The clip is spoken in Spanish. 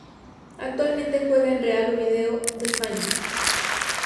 Actualmente juega en Real Oviedo de España.